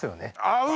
合う！